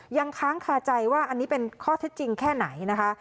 ยังค้างคาใจว่าอันนี้เป็นข้อเท็จจริงแค่ไหนนะคะ